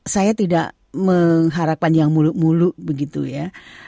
saya tidak mengharapkan yang muluk muluk begitu ya